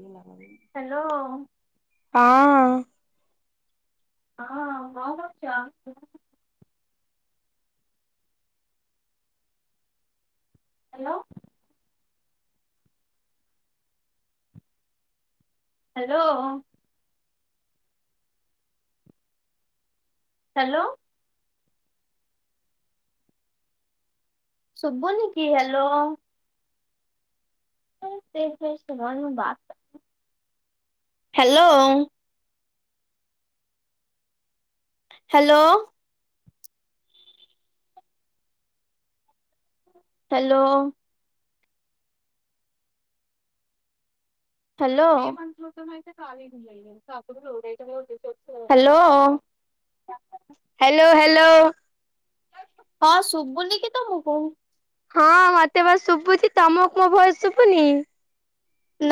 ଏ ଲାଗବେ ହ୍ୟାଲୋ ହଁ ହଁ କଣ କରୁଛ? ହ୍ୟାଲୋ ହ୍ୟାଲୋ ହ୍ୟାଲୋ ଶୁଭୁନି କି ହ୍ୟାଲୋ ସେ ବା hello hello hello hello hello. Hello hello. ହଁ ଶୁଭୁନିକି ତମକୁ। ହଁ ମତେ ପା ଶୁଭୁଚି ତମକୁ ମୋ ଭୟେସ ଶୁଭୁନି।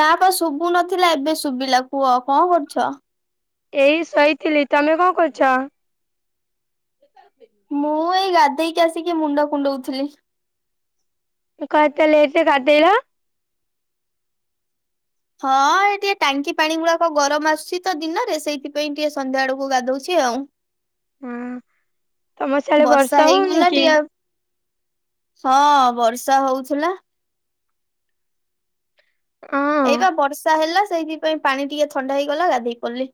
ନା ପା ଶୁଭୁ ନଥିଲା ଏବେ ଶୁଭିଲା କୁହ କଣ କରୁଛ? ଏଇ ଶୋଇଥିଲି ତମେ କଣ କରୁଛ? [unintelligible] ମୁଁ ଏଇ ଗାଧେଇକି ଆସିକି ମୁଣ୍ଡ କୁଣ୍ଡଉଥିଲି। କଣ ଏତେ ଲେଟରେ ଗାଧେଇଲ? ହଁ ଏ ଟିକେ ଟାଙ୍କି ପାଣି ଗୁଡାକ ଗରମ ଆସୁଛି ତ ଦିନରେ ସେଇଥିପାଇଁ ଟିକେ ସନ୍ଧ୍ୟା ଆଡକୁ ଗାଧୋଉଛି ଆଉ। ହଁ ତମ ସିଆଡେ ବର୍ଷା ହଉନି ହେଇଗଲା କି? ଟିକେଆଉ ହଁ ବର୍ଷା ହୋଉଥିଲା। ଏଇ ହଁ ପା ବର୍ଷା ହେଲା ସେଇଥିପାଇଁ ପାଣି ଟିକେ ଥଣ୍ଡା ହେଇଗଲା ଗାଧେଇ ପଡିଲି।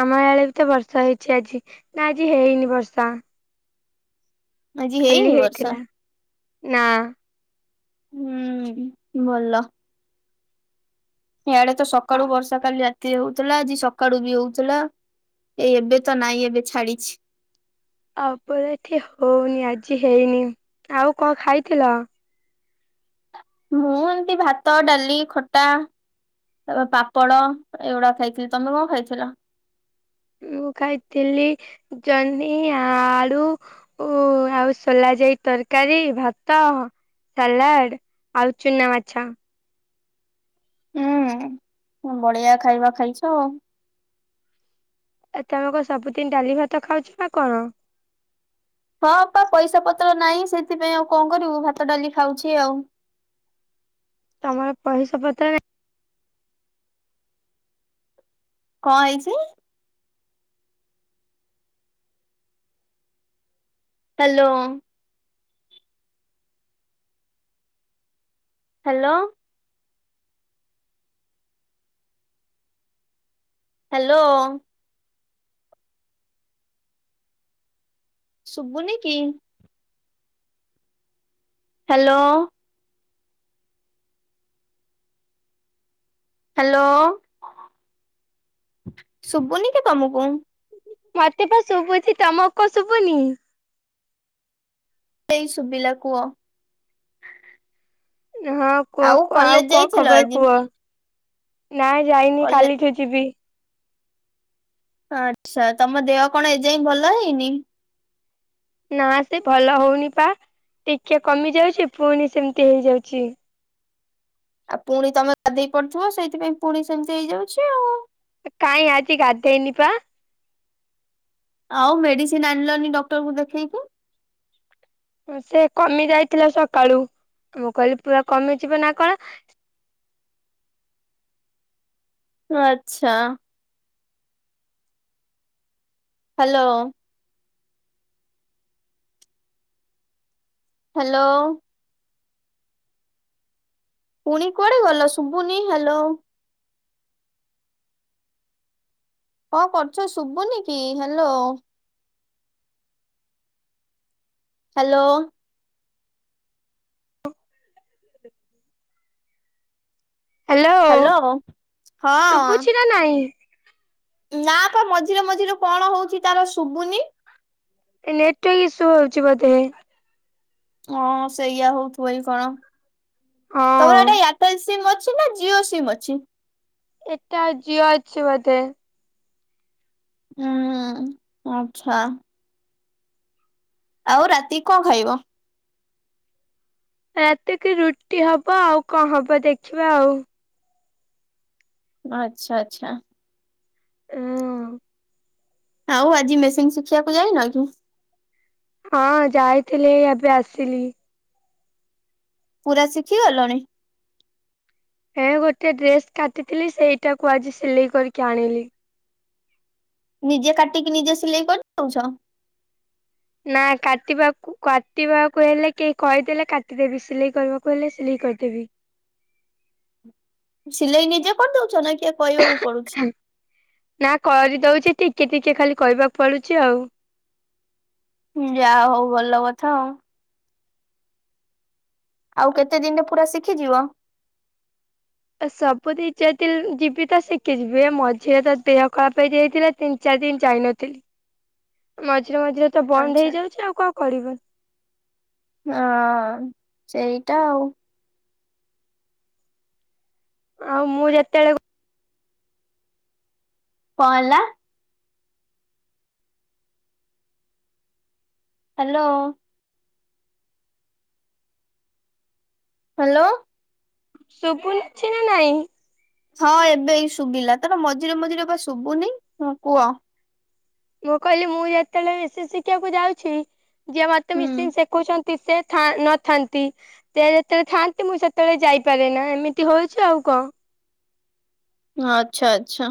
ଆମ ଆଡେ ବି ତ ବର୍ଷା ହେଇଛି ଆଜି ନା ଆଜି ହେଇନି ବର୍ଷା। ଆଜି କାଲି ହେଇନି ବର୍ଷା? ହେଇଥିଲା। ନା ହୁଁ ଭଲ। ଇଆଡେ ତ ସକାଳୁ ବର୍ଷା କାଲି ରା ତି ହୋଉଥିଲା ଆଜି ସକାଳୁ ବି ହୋଉଥିଲା ଏଇ ଏବେ ତ ନାଇଁ ଏବେ ଛାଡିଛି। ଆମର ଏଠି ହୋଉନି ଆଜି ହେଇନି ଆଉ କଣ ଖାଇଥିଲ? ମୁଁ ଏମିତି ଭାତ ଡାଲି ଖଟା। ତାପ ପାପଡ଼ ଏଇଗୁଡା ଖାଇଥିଲି ତମେ କଣ ଖାଇଥିଲ? ମୁଁ ଖାଇଥିଲି ଜହ୍ନି ଆଳୁ ଓ ଆଉ ସୋଲା ଯାଇ ତରକାରୀ ଭାତ। ସାଲାଡ ଆଉ ଚୁନା ମାଛ। ହୁଁ ବଢ଼ୀଆ ଖାଇବା ଖାଇଛ ଆଉ। ଆଉ ତମେ କଣ ସବୁଦିନ ଡାଲି ଭାତ ଖାଉଛନା କଣ? ହଁପା ପଇସା ପତ୍ର ନାହିଁ ସେଥିପାଇଁ ଆଉ କଣ କରିବୁ ଭାତ ଡାଲି ଖାଉଛି ଆଉ। ତମର ପଇସା ପତ୍ର ନା କଣ ହେଇଚି? ହ୍ୟାଲୋ। ହ୍ୟାଲୋ। ହ୍ୟାଲୋ। ଶୁବୁନିକି? ହ୍ୟାଲୋ। ହ୍ୟାଲୋ ଶୁବୁନିକି ତମକୁ? ମତେ ପା ଶୁଭୁଚି ତମକୁ କଣ ଶୁଭୁନି? ଏଇ ଶୁବିଲା କୁଅ? ହଁ କୁହ କୁ ଆଉ କଲେଜ କଣ ଯାଇଥିଲ ଖବର ଆଜି କୁହ? ନାଇଁ ଯାଇନି କଲେଜ କାଲିଠୁ ଯିବି। ଆଚ୍ଛା ତମ ଦେହ କଣ ଏଯାଏଁ ଭଲ ହେଇନି? ନା ସେ ଭଲ ହୋଉନି ପା ଟିକେ କମି ଯାଉଚି ପୁଣି ସେମିତି ହେଇଯାଉଛି। ଆ ପୁଣି ତମେ ଗାଧେଇ ପଡୁଥିବ ସେଇଥିପାଇଁ ପୁଣି ସେମିତି ହେଇଯାଉଛି ଆଉ। କାଇଁ ଆଜି ଗାଧେଇନିପା? ଆଉ ମେଡିସିନ ଆଣିଲନି ଡକ୍ଟରଙ୍କୁ ଦେଖେଇକି? ଉଁ ସେ କମି ଯାଇଥିଲା ସକାଳୁ ମୁଁ କହିଲି ପୁରା କମିଯିବ ନା କଣ। ଆଚ୍ଛା। ହ୍ୟାଲୋ। ହ୍ୟାଲୋ। ପୁଣି କୁଆଡେ ଗଲ ଶୁଭୁନି ହ୍ୟାଲୋ? କଣ କରୁଛ ଶୁଭୁନି କି ହାଲୋ। ହାଲୋ ହ୍ୟାଲୋ ହାଲୋ ହଁ ଶୁଭୁଛି ନା ନାଇଁ ନା ପା ମଝିରେ ମଝିରେ କଣ ହଉଛି ତାର ଶୁଭୁନି ନେଟୱାର୍କ ଇସୁ ହଉଛି ବୋଧେ ହଁ ସେଇଆ ହଉଥିବ କଣ ହଁ ଏଆରଟେଲ ସିମ୍ ଅଛି ନା ଜିଓ ସିମ୍ ଅଛି ଏଟା ଜିଓ ଅଛି ବୋଧେ ହୁଁ ଆଚ୍ଛା ଆଉ ରାତି କି କଣ ଖାଇବ ରାତିକି ରୁଟି ହବ ଆଉ କଣ ହବ ଦେଖିବା ଆଉ ଆଚ୍ଛା ଆଚ୍ଛା ଉଁ ଆଉ ଆଜି ମେସିନ୍ ଶିଖିବାକୁ ଯାଇନ କି ହଁ ଯାଇଥିଲି ଏବେ ଆସିଲି ପୁରା ଶିଖି ଗଲଣି ହେ ଗୋଟେ ଡ୍ରେସ୍ କାଟିଥିଲି ସେଇଟାକୁ ଆଜି ସିଲେଇ କରିକି ଆଣିଲି ନିଜେ କାଟିକି ନିଜେ ସିଲେଇ କରିଦଉଛ ନା କାଟିବାକୁ କାଟିବାକୁ ହେଲେ କେହି କହିଦେଲେ କାଟିଦେବି ସିଲେଇ କରିବାକୁ ହେଲେ ସିଲେଇ କରିଦେବି। ସିଲେଇ ନିଜେ କରିଦଉଛ ନା କିଏ କହିବାକୁ ପଡୁଛି ନା କରିଦଉଛି ଟିକେ ଟିକେ ଖାଲି କହିବାକୁ ପଡୁଛି ଆଉ ଯାହା ହଉ ଭଲ କଥା ଆଉ ଆଉ କେତେ ଦିନିରେ ପୁରା ଶିଖିଯିବ ସବୁ ଦି ଚାରି ଦିନ ଯିବି ତ ଶିଖି ଯିବି ମଝିରେ ତ ଦେହ ଖରାପ ହେଇଯାଇଥିଲା ତିନି ଚାରି ଦିନ ଯାଇନଥିଲି ମଝିରେ ମଝିରେ ତ ବନ୍ଦ ଆଚ୍ଛା ହେଇଯାଉଛି ଆଉ କଣ କଡିବି ଓ ହ ସେଇଟା ଆଉ ଆଉ ମୁଁ ଯେତେବେଳେ କଣ ହେଲା ହାଲୋ ହାଲୋ ଶୁଭୁଛି ନା ନାଇଁ ହଁ ଏବେ ଶୁଭିଲା ତାର ମଝିରେ ମଝିରେ ବା ଶୁଭୁନି କୁହ ମୁଁ କହିଲି ମୁଁ ଯେତେବେଳେ ମିସିନ୍ ଶିଖିବାକୁ ଯାଉଛି ଯିଏ ମତେ ମିସିନ୍ ହୁଁ ଶିଖେଉଛନ୍ତି ସେ ନଥାନ୍ତି ସେ ଯେତେବେଳେ ଥାଆନ୍ତି ମୁଁ ସେତେବେଳେ ଯାଇପାରେ ନା ଏମିତି ହଉଛି ଆଉ କଣ। ଆଚ୍ଛା ଆଚ୍ଛା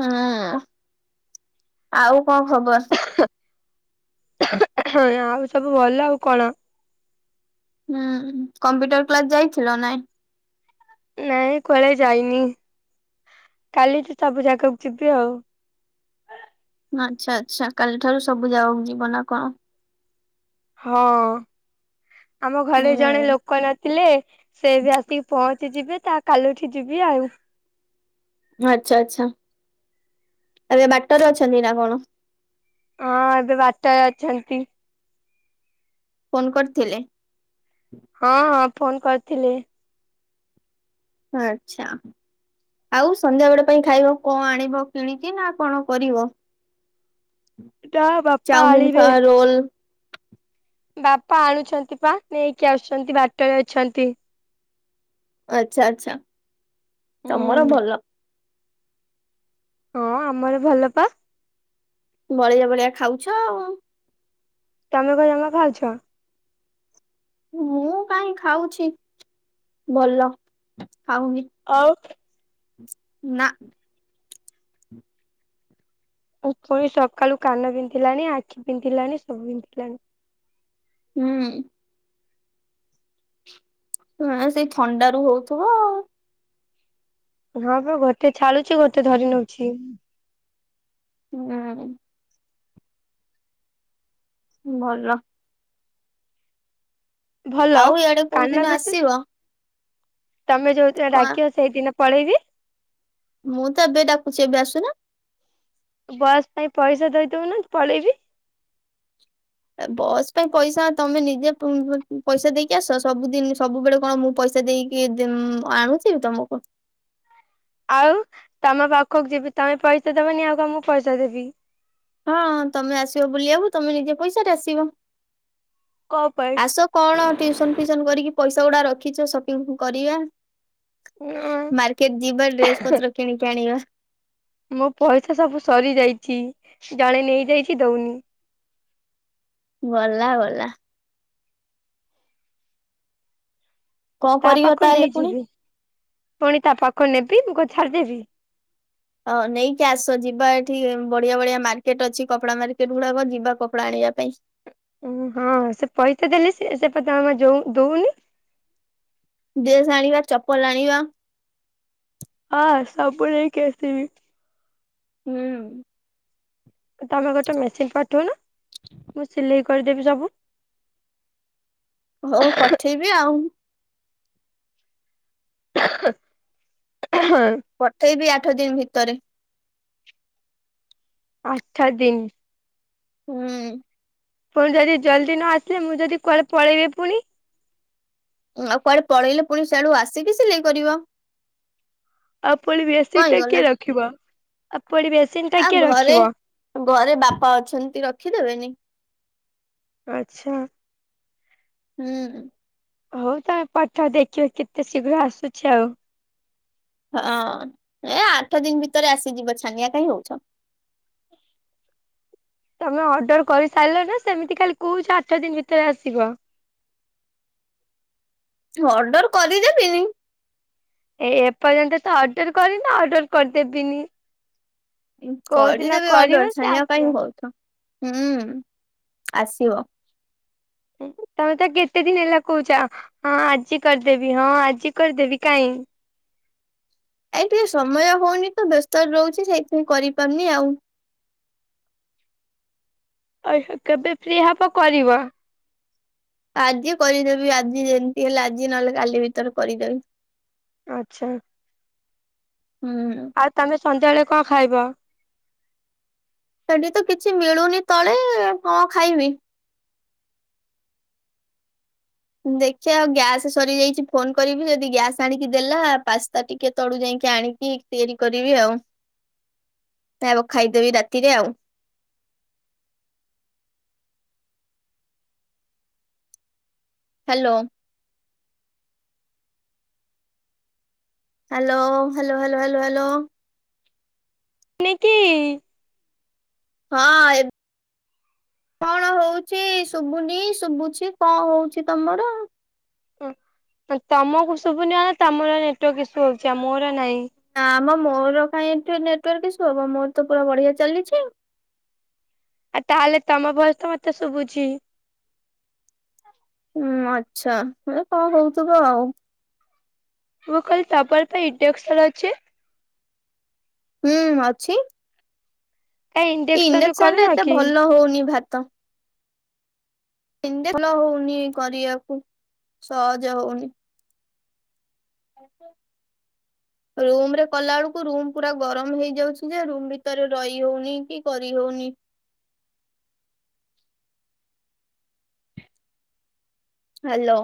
ହୁଁ ଆଉ କଣ ଖବର ଆଉ ସବୁ ଭଲ ଆଉ କଣ ହୁଁ କମ୍ପ୍ୟୁଟର କ୍ଲାସ ଯାଇଥିଲ ନାଇଁ ନାଇଁ କୁଆଡେ ଯାଇନି କାଲିଠୁ ସବୁ ଯାଗାକୁ ଯିବି ଆଉ ଆଚ୍ଛା ଆଚ୍ଛା କାଲିଠାରୁ ସବୁ ଯାଗକୁ ଯିବ ନା କଣ ହଁ ଆମ ଘରେ ଜଣେ ହୁଁ ଲୋକ ନଥିଲେ ସେ ବି ଆସିକି ପହଞ୍ଚ ଯିବେ ତା କାଲିଠି ଯିବି ଆଉ ଆଚ୍ଛା ଆଚ୍ଛା ଏବେ ବାଟରେ ଅଛନ୍ତି ନାଁ କଣ? ହଁ ଏବେ ବାଟ ଅଛନ୍ତି। ଫୋନ୍ କରିଥିଲେ। ହଁ ଫୋନ୍ କରିଥିଲି। ଆଚ୍ଛା। ଆଉ ସନ୍ଧ୍ୟା ବେଳେ ପାଇଁ ଖାଇବ କଣ ଆଣିବ କିଣିକି ନାଁ କଣ କରିବ? ଚା ବା ଚାଉମିନ୍ ଫା ରୋଲ୍। ବାପା ଆଣୁଛନ୍ତି ପା ନେଇକି ଆସୁଚନ୍ତି ବାଟରେ ଅଛନ୍ତି। ଆଚ୍ଛା ଆଚ୍ଛା ତମର ହଁ ଭଲ। ହଁ ଆମର ଭଲ ପା। ବଳିଆ ଭଳିଆ ଖାଉଛ ଆଉ। ତମେ କଣ ଜମା ଖାଉଛ? ମୁଁ କାହିଁ ଖାଉଛି ଭଲ। ଖାଉନି ଆଉ ନାଁ। ଉକୁଣୀ ସକାଳୁ କାନ ପିନ୍ଧିଲାଣି ଆଖି ପିନ୍ଧିଲାଣି ସବୁ ପିନ୍ଧିଲାଣି। ହୁଁ ହଁ ସେଇ ଥଣ୍ଡ ରୁ ହଉଥିବ ଆଉ। ଧବେ ଗୋଟେ ଛାଳୁଛି ଗୋଟେ ଧରି ନଉଛି। ହୁଁ ଭଲ। ଭଲ ଆଉ ଇଆଡେ କୋଉ କାନ ଦିନ ଭିତ ଆସିବ ତମେ ଯୋଉଦିନ କଣ ଡାକିବ ସେଇଦିନ ପଳେଇବି। ମୁଁ ତ ଏବେ ଡାକୁଚି ଏବେ ଆସୁନ। ବସ୍ ପାଇଁ ପଇସା ଦେଇଦୋଉନୁ ପଳେଇବି। ବସ୍ ପାଇଁ ପଇସା ତମେ ନିଜେ ପଇସା ଦେଇକି ଆସ ସବୁଦିନ ସବୁବେଳେ କଣ ମୁଁ ପଇସା ଦେଇକି ଆଣୁଥିବି ତମକୁ। ଆଉ ତମ ପାଖକୁ ଯିବି ତମେ ପଇସା ଦବନି ଆଉ ମୁଁ ପଇସା ଦେବି। ହଁଁ ତମେ ଆସିବ ବୁଲିବାକୁ ତମେ ନିଜ ପଇସା ରେ ଆସିବ। କପାଇଁ। ଆସ କଣ ଟିଉସନ୍ ଫିଉସନ୍ କରିକି ପଇସା ଗୁଡା ରଖିଛ ସପିଙ୍ଗ୍ କରିବା। ମାର୍କେଟ ଯିବା ଡ୍ରେସ୍ ପତ୍ର କିଣିକି ଆଣିବା। ମୋ ପଇସା ସବୁ ସରି ଯାଇଚି ଜଣେ ନେଇ ଯାଇଚି ଦଉନି। ଗଲା ଗଲା। କଣ ତା କରିବ ପାଖ ତାହେଲେ ପୁଣି? ନେଇଯିବି ପୁଣି ତା ପାଖ ନେବି ମୁଁ କଣ ଛାଡିଦେବି। ହଁ ନେଇକି ଆସ ଯିବା ଏଠି ବଢିଆ ବଢିଆ ମାର୍କେଟ୍ ଅଛି କପଡା ମାର୍କେଟ୍ ଗୁଡାକ ଯିବା କପଡା ଆଣିବା ପାଇଁ। ଓ ହଁ ସେ ପଇସା ଦେଲେ ସେ ସେ ପ ତ ଆମ ଯୋ ଯୋଉନି। ଡ୍ରେସ୍ ଆଣିବା ଚପଲ ଆଣିବା। ହଁ ସବୁ ନେଇକି ଆସିବି। ହୁଁ। ତମେ ଗୋଟେ ମେସିନ୍ ପଠଉନ ମୁଁ ସିଲେଇ କରିଦେବି ସବୁ। ହଉ ପଠେଇବି ଆଉ। ହଁ ପଠେଇବି ଆଠ ଦିନ୍ ଭିତରେ। ଆଠ ଦିନ୍। ହୁଁ। ପୁଣି ଯଦି ଜଲ୍ଦି ନ ଆସିଲେ ମୁଁ ଯଦି କୁଆଡେ ପଳେଇବି ପୁଣି। ଆଉ କୁଆଡେ ପଳେଇଲେ ପୁଣି ସିଆଡୁ ଆସିକି ସିଲେଇ କରିବ। ଆଉ ପୁଣି କଣ ମେସିନ୍ ଟା ହେଇଗଲା କିଏ ରଖିବ ଆଉ ପୁଣି ମେ ଆ ଘରେ ଘରେ ବାପା ଅଛନ୍ତି ରଖିଦେବେନି। ଆଚ୍ଛା। ହୁଁ। ହଉ ତମେ ପଠା ଦେଖିବା କେତେ ଶୀଘ୍ର ଆସୁଛି ଆଉ। ହଁ ଏ ଆଠ ଦିନ ଭିତରେ ଆସିଯିବ ଛାନିଆ କାହିଁ ହଉଛ। ତମେ ଅର୍ଡର କରିସାଇଲଣି ନା ସେମିତି ଖାଲି କହୁଛ ଆଛ ଦିନ ଭିତରେ ଆସିବ। ଅର୍ଡର କରିଦେବିନି। ଏ ଏପର୍ଯ୍ୟନ୍ତ ତ ଅର୍ଡର କରିନ ଅର୍ଡର କରିଦେବିନି। କୋଉ ଦିନ କରିଦେବି କରିବ ଅର୍ଡର ସେ ଛାନିଆ କାଇଁ ଆସିବ। ହଉଛ ହୁଁ ଆସିବ। ହୁଁ ତମେ ତ କେତେ ଦିନ ହେଲା କହୁଛ ହଁ ଆଜି କରିଦେବି ହଁ ଆଜି କରିଦେବି କାହିଁ। ଏଇ ଟିକେ ସମୟ ହଉନି ତ ବ୍ୟସ୍ତ ରେ ରହୁଛି ସେଇଥିପାଇଁ କରିପାରୁନି ଆଉ। ଆଉ ସେ କେବେ ଫ୍ରି ହବ କରିବ। ଆଜି କରିଦେବି ଆଜି ଯେମିତି ହେଲେ ଆଜି ନହେଲେ କାଲି ଭିତରେ କରିଦେବି। ଆଚ୍ଛା। ହୁଁ। ଆଉ ତମେ ସନ୍ଧ୍ୟାବେଳେ କଁ ଖାଇବ। ସେଠି ତ କିଛି ମିଳୁନି ତଳେ ଆଉ କଁ ଖାଇବି। ଦେଖିବା ଗ୍ୟାସ୍ ସରିଯାଇଛି ଫୋନ କରିବି ଯଦି ଗ୍ୟାସ୍ ଆଣିକି ଦେଲା ପାସ୍ତା ଟିକେ ତଳୁ ଯାଇକି ଆଣିକି। ତିଆରି କରିବି ଆଉ ତାକୁ ଖାଇଦେବି ରାତିରେ ଆଉ। Hello. Hello hello hello hello hello. ନିକି। ହଁ ଏବ୍ କଣ ହଉଛି ଶୁବୁନି ଶୁବୁଛି କଣ ହଉଛି ତମର। ଉଁ ତମକୁ ସୁବୁନି ମାନେ ତମର ନେଟୱାର୍କ ଇସୁ ହଉଛି ଆ ମୋର ନାହିଁ। ନା ମ ମୋର କାଇଁ ଏଠି ନେଟୱାର୍କ ଇସୁ ହବ ମୋର ତ ପୁରା ବଢିଆ ଚାଲିଛି‌। ଆଉ ତାହେଲେ ତମ ଭଏସ ତ ମତେ ଶୁଭୁଛିି। ହୁଁ ଆଛା ଏ କଁ ହଉଥିବ ଆଉ। ମୁଁ କାହିଲି ତମର ପା ଇଣ୍ଡକସନ୍ ଅଛି। ହୁଁ ଅଛି। କାଇଁ ଏ ଇଣ୍ଡକ୍ସନ ଇଣ୍ଡକ୍ସନ୍ ରେ କରୁନ ଏତେ କି? ଭଲ ହଉନି ଭାତ। ଇଣ୍ଡକ ଭଲ ହଉନି କରିବାକୁ ସହଜ ହଉନି। [unintelligible] ରୁମ୍ ରେ କଲା ବେଳକୁ ରୁମ୍ ପୁରା ଗରମ ହେଇଯାଉଛି ଯେ ରୁମ୍ ଭିତରେ ରହି ହଉନି କି କରିହଉନି। ହାଲୋ।